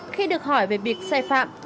khi được hỏi về việc xe phạm